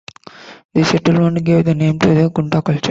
This settlement gave the name to the Kunda culture.